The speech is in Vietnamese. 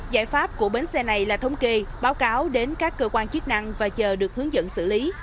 giải pháp của bến xe này là thống kê báo cáo đến các cơ quan chức năng và chờ được hướng dẫn xử lý